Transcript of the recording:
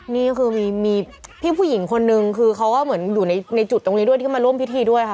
นี่ก็คือมีพี่ผู้หญิงคนนึงคือเขาก็เหมือนอยู่ในจุดตรงนี้ด้วยที่มาร่วมพิธีด้วยค่ะ